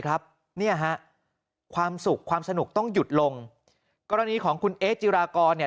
ความสุขความสนุกต้องหยุดลงกรณีของคุณเอ๊จิรากรเนี่ย